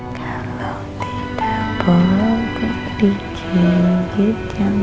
kalo tidak berhubung di kiri jalan